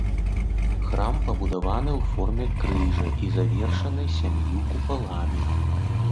Храм пабудаваны ў форме крыжа і завершаны сям'ю купаламі.